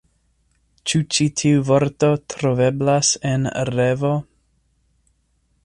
Ĉu ĉi tiu vorto troveblas en ReVo?